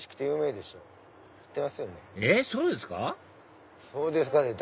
えっそうですか？